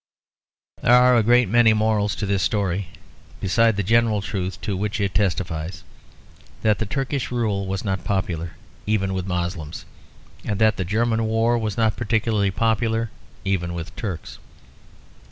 There are a great many morals to this story, besides the general truth to which it testifies; that the Turkish rule was not popular even with Moslems, and that the German war was not particularly popular even with Turks.